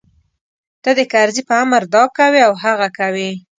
ته د کرزي په امر دا کوې او هغه کوې.